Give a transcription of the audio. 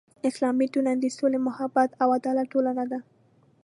اسلامي ټولنه د سولې، محبت او عدالت ټولنه ده.